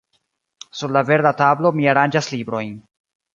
Sur la verda tablo mi aranĝas librojn.